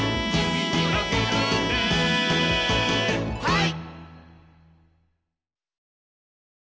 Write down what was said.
はい！